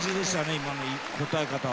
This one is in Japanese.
今の答え方は。